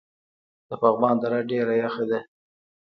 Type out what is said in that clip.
د پغمان دره ډیره یخه ده